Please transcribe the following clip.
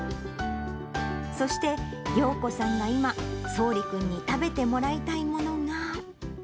そして、ようこさんが今、そうり君に食べてもらいたいものが。